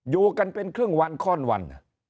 อยู่กันเป็นครึ่งวันข้อนวัน